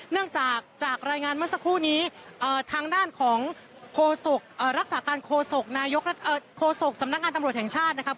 เนื่องจากจากรายงานเมื่อสักครู่นี้ทางด้านของโคศกสำนักงานตำรวจแห่งชาตินะครับ